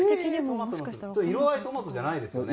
色合いはトマトじゃないですよね。